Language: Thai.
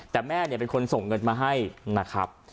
แต่แม่เป็นคนส่งเงินมาให้นะครับ